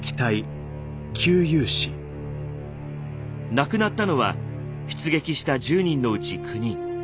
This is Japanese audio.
亡くなったのは出撃した１０人のうち９人。